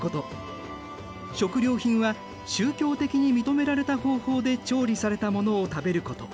食料品は宗教的に認められた方法で調理されたものを食べること。